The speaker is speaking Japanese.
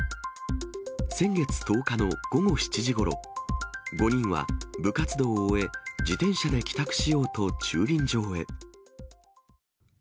先月１０日の午後７時ごろ、５人は部活動を終え、自転車で帰宅しようと駐輪場へ。